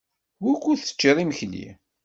Wukud teččiḍ imekli?